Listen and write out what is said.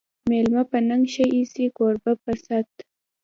مېلمه په ننګ ښه ایسي، کوربه په صت